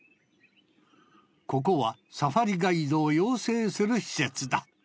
ここはサファリガイドを養成する施設だ